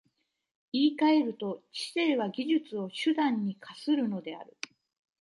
言い換えると、知性は技術を手段に化するのである。